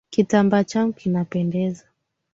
Kitambaa changu kinapendeza.